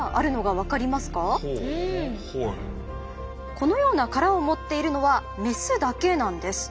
このような殻を持っているのはメスだけなんです。